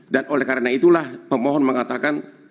dan oleh karena itulah pemohon mengatakan